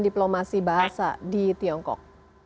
diplomasi bahasa di tiongkok